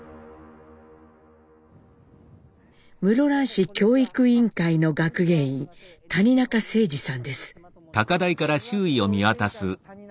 室蘭市教育委員会の学芸員谷中聖治さんです。